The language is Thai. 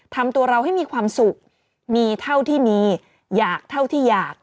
ทำตัวเราให้มีความสุขมีเท่าที่มีอยากเท่าที่อยาก